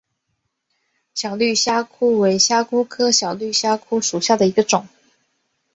疣尾小绿虾蛄为虾蛄科小绿虾蛄属下的一个种。